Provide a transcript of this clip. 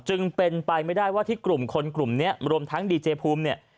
จึงเป็นไปไม่ได้ว่าที่กลุ่มคนกลุ่มนี้รวมทั้งดีเจภูมิเนี่ย